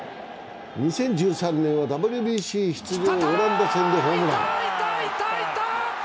２０１３年はＷＢＣ出場、オランダ戦でホームラン。